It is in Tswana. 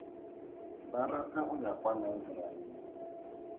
Ba rata go ya kwa laeboraring.